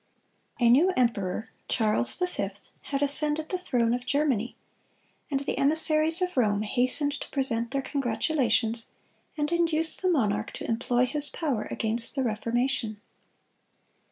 ] A new emperor, Charles V., had ascended the throne of Germany, and the emissaries of Rome hastened to present their congratulations, and induce the monarch to employ his power against the Reformation.